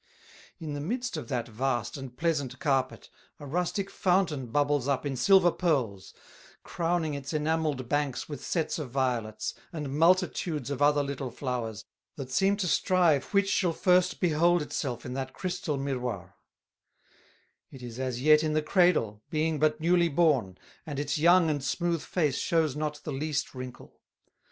In the midst of that vast and pleasant Carpet, a rustick Fountain bubbles up in Silver Purles, crowning its enamelled Banks with Sets of Violets, and multitudes of other little Flowers, that seem to strive which shall first behold it self in that Chrystal Myrroir: It is as yet in the Cradle, being but newly Born, and its Young and smooth Face shews not the least Wrinkle.